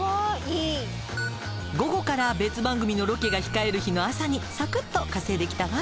午後から別番組のロケが控える日の朝にさくっと稼いできたわ。